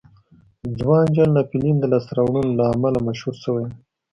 ځوان جال ناپلیون د لاسته راوړنو له امله مشهور شوی و.